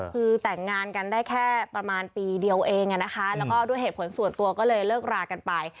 คือแต่งงานกันได้แค่ประมาณปีเดียวเองแล้วก็ด้วยเหตุผลส่วนตัวก็เลยเลิกรากันไป